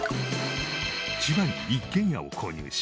千葉に一軒家を購入し